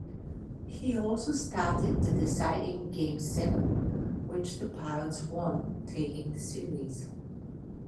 He also started the deciding Game Seven, which the Pirates won, taking the series.